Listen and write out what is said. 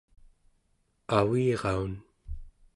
aviraun